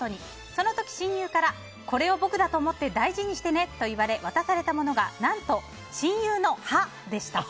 その時、親友からこれを僕だと思って大事にしてねと言われて渡されたものが何と、親友の歯でした。